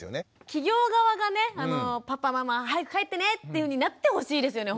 企業側がねパパママ早く帰ってねというふうになってほしいですよね